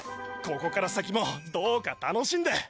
ここから先もどうか楽しんで！